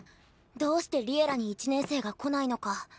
どうして「Ｌｉｅｌｌａ！」に１年生が来ないのか。